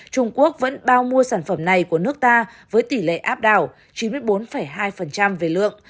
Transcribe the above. trung quốc vẫn bao mua sản phẩm này của nước ta với tỷ lệ áp đảo chín mươi bốn hai về lượng